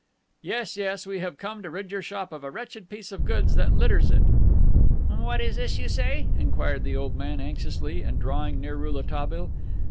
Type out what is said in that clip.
"Yes, yes, we have come to rid your shop of a wretched piece of goods that litters it." "What is this you say?" inquired the old man, anxiously, and drawing near Rouletabille.